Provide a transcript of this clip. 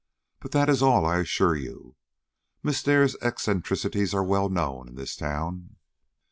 But that is all, I assure you. Miss Dare's eccentricities are well known in this town."